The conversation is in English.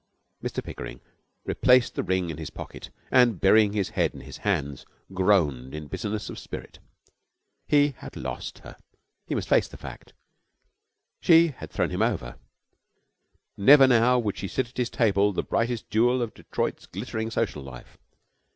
Mr Pickering replaced the ring in his pocket, and, burying his head in his hands, groaned in bitterness of spirit. He had lost her. He must face the fact. She had thrown him over. Never now would she sit at his table, the brightest jewel of Detroit's glittering social life.